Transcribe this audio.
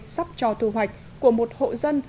sắp cho thu hoạch của một hộ dân